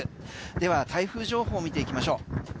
では台風情報を見ていきましょう。